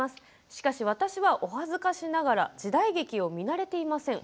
しかし私はお恥ずかしながら時代劇を見慣れていません。